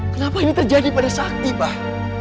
kenapa ini terjadi pada sakti pak